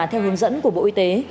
theo hướng dẫn của bộ y tế